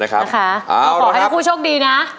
ขอบอกให้คู่ชกดีนะ